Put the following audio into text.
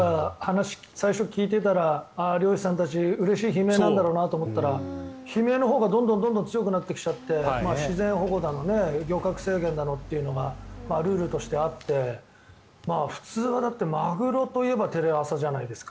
最初、話を聞いてたら漁師さんたちうれしい悲鳴なんだろうなと思ったら、悲鳴のほうがどんどん強くなってきちゃって自然保護だの漁獲制限だのというのがルールとしてあって普通は、マグロといえばテレ朝じゃないですか。